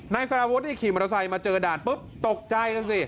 สารวุฒินี่ขี่มอเตอร์ไซค์มาเจอด่านปุ๊บตกใจกันสิ